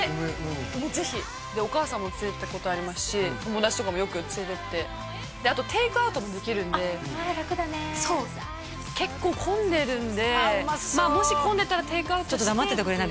もうぜひお母さんも連れてったことありますし友達とかもよく連れてってあとテイクアウトもできるんであっ楽だねそう結構混んでるんであっうまそうもし混んでたらテイクアウトしてちょっと黙っててくれない？